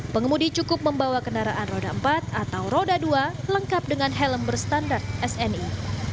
pengemudi cukup membawa kendaraan roda empat atau roda dua lengkap dengan helm berstandar sni